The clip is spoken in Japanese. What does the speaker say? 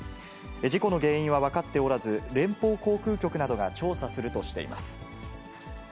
事故の原因は分かっておらず、連邦航空局などが調査するとしています。